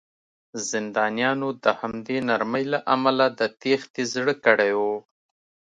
زندانیانو د همدې نرمۍ له امله د تېښتې زړه کړی و